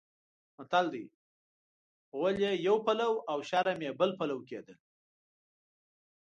متل دی: غول یې یو پلو او شرم یې بل پلو کېدل.